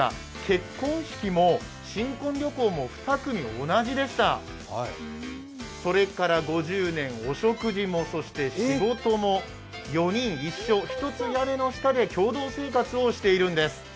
結婚式も新婚旅行も２組同じでしたそれから５０年、お食事もそして仕事も４人一緒、ひとつ屋根の下で共同生活してるんです。